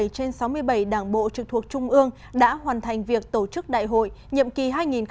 bảy trên sáu mươi bảy đảng bộ trực thuộc trung ương đã hoàn thành việc tổ chức đại hội nhiệm kỳ hai nghìn hai mươi hai nghìn hai mươi năm